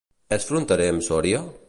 És fronterer amb Sòria?